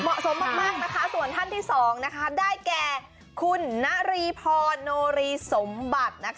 เหมาะสมมากนะคะส่วนท่านที่๒ได้แก่คุณนารีพรโนรีสมบัติ